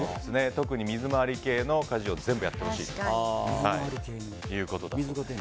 特に水回り系の家事を全部やってほしいということだそうです。